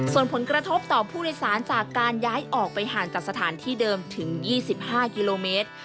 ส่วนผลกระทบต่อผู้โดยสารจากการย้ายออกไปห่างจากสถานที่เดิมถึง๒๕กิโลเมตร